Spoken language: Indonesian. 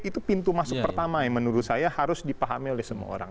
itu pintu masuk pertama yang menurut saya harus dipahami oleh semua orang